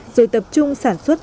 rồi tập trung sản xuất